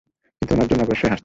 কিন্তু ওনার জন্য অবশ্যই হাসতাম।